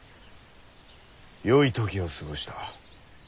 よい時を過ごした。